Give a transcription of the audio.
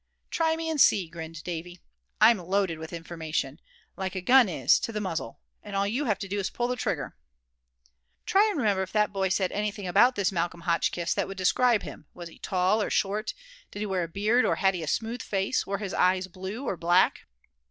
"Try me and see," grinned Davy. "I'm loaded with information, like a gun is, to the muzzle; and all you have to do is to pull the trigger." "Try and remember if that boy said anything about this Malcolm Hotchkiss that would describe him was he tall or short; did he wear a beard or had he a smooth face; were his eyes blue or black?"